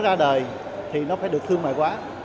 ra đời thì nó phải được thương mại quá